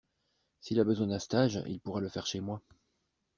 S’il a besoin d’un stage, il pourrait le faire chez moi.